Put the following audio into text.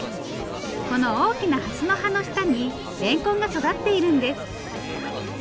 この大きなハスの葉の下にれんこんが育っているんです